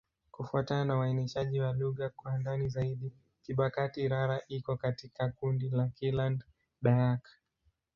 Kufuatana na uainishaji wa lugha kwa ndani zaidi, Kibakati'-Rara iko katika kundi la Kiland-Dayak.